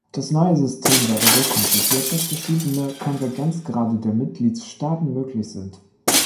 Das neue System wäre so konzipiert, dass verschiedene Konvergenzgrade der Mitgliedstaaten möglich sind.